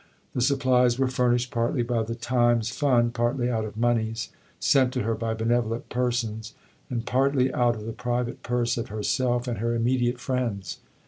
The supplies were furnished partly by the Times Fund, partly out of moneys sent to her by benevolent persons, and partly out of the private purse of herself and her immediate friends.